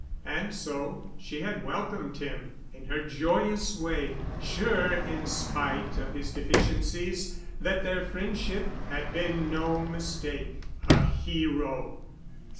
And so she had welcomed him in her joyous way, sure, in spite of his deficiencies, that their friendship had been no mistake. A hero.